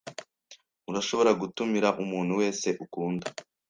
Urashobora gutumira umuntu wese ukunda.